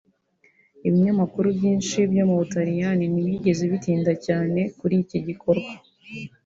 Ibinyamakuru byinshi byo mu Butaliyani ntibyigeze bitinda cyane kuri iki gikorwa